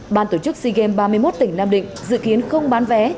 ban tổ chức sea games ba mươi một tỉnh nam định dự kiến không bán vé